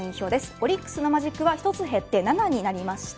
オリックスのマジックは１つ減って７になりました。